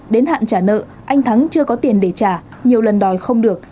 đến hạn trả nợ anh thắng chưa có tiền để trả nhiều lần đòi không được